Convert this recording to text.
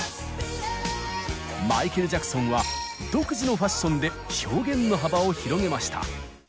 マイケル・ジャクソンは独自のファッションで表現の幅を広げました。